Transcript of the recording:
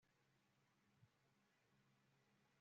Las hembras se reconocen por tener la cola corta y achatada.